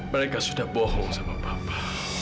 mereka sudah bohong sama papa